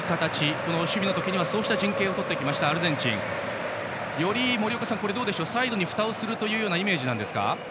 この守備の時にはそうした陣形をとってきたアルゼンチン。よりサイドにふたをするというイメージでしょうか。